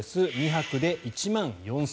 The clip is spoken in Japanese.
２泊で１万４０００円。